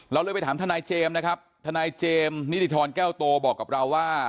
เราเลยไปถามทนายเจมส์นะครับทนายเจมส์นิติธรแก้วโตบอกกับเราว่า